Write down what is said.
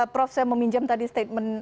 prof saya mau minjem tadi statement